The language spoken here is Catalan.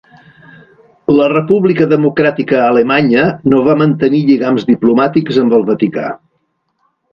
La República Democràtica Alemanya no va mantenir lligams diplomàtics amb el Vaticà.